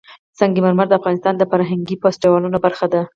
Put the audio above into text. سنگ مرمر د افغانستان د فرهنګي فستیوالونو برخه ده.